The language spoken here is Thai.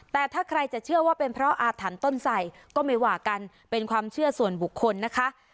แต่ถ้าใครจะเชื่อว่าเป็นเพราะอาถรรพ์ต้นใส่ก็ไม่ว่ากันเป็นความเชื่อส่วนบุคคลนะคะ